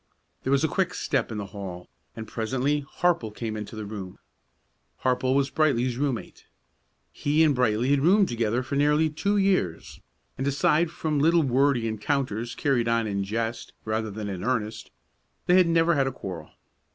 There was a quick step in the hall, and presently Harple came into the room. Harple was Brightly's room mate. He and Brightly had roomed together for nearly two years, and aside from little wordy encounters carried on in jest rather than in earnest, they had never had a quarrel.